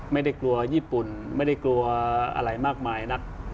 ไม่ได้กลัวญี่ปุ่นไม่ได้กลัวอะไรมากมายนัก